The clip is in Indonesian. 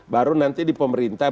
baru nanti di pemerintah